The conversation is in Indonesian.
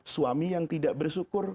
suami yang tidak bersyukur